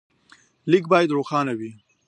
لیک باید روښانه وي.